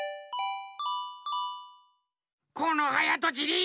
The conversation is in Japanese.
このはやとちり！